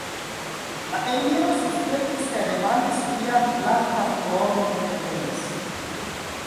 La emiro suspektis kaj demandis, kial Blankafloro ne venis.